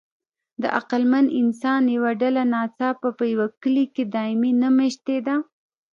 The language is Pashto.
د عقلمن انسان یوه ډله ناڅاپه په یوه کلي کې دایمي نه مېشتېده.